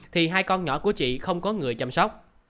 thì hai con nhỏ của chị không có người chăm sóc